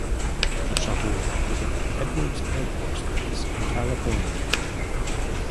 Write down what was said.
The shuttle landed at Edwards Air Force Base in California.